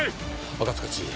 赤塚知事